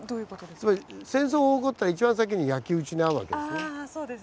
つまり戦争が起こったら一番先に焼き打ちに遭うわけですね。